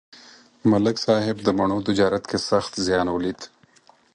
ملک صاحب د مڼو تجارت کې سخت زیان ولید